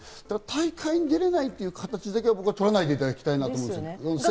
大会に出られないという形だけは取らないでいただきたいなと思います。